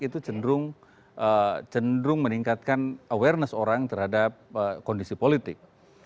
itu cenderung meningkatkan awareness orang terhadap kondisi politik